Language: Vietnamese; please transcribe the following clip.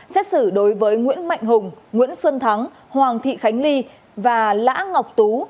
xét xử đối với nguyễn mạnh hùng nguyễn xuân thắng hoàng thị khánh ly và lã ngọc tú